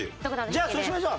じゃあそうしましょう。